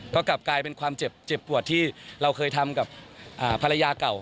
ก็กลับกลายเป็นความเจ็บปวดที่เราเคยทำกับภรรยาเก่า